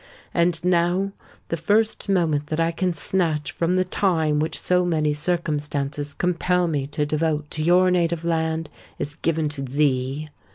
And now the first moment that I can snatch from the time which so many circumstances compel me to devote to your native land, is given to thee!